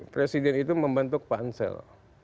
presiden itu membentuk pansel